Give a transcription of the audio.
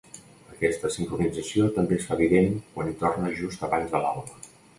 Aquesta sincronització també es fa evident quan hi torna just abans de l'alba.